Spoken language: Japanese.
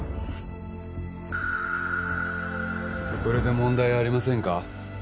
これで問題ありませんか？